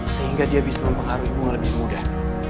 sehingga dia bisa mempengaruhi bunga lebih mudah